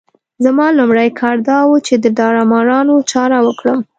زما لومړی کار دا وو چې د داړه مارانو چاره وکړم.